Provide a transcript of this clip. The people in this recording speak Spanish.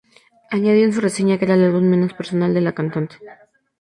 Añadió en su reseña que era el álbum menos personal de la cantante.